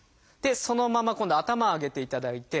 そのまま今度は頭上げていただいて。